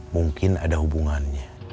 mungkin ada hubungannya